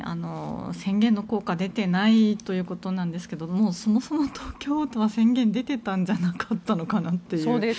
宣言の効果が出ていないということなんですがそもそも東京都は宣言が出ていたんじゃなかったのかなという。